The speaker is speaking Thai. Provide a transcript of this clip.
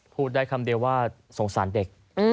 พูดได้คำเดียวว่าสงสารเด็ก